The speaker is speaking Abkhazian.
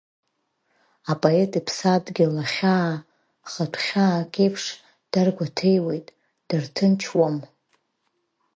Апоет иԥсадгьыл ахьаа хатә хьаак еиԥш дар-гәаҭеиуеит, дарҭынчуам.